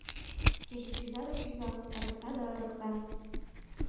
Кече кӱза да кӱза, ырыкта да ырыкта.